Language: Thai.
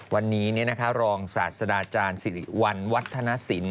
วันนี้รองศาสดาอาจารย์สิริวัลวัฒนศิลป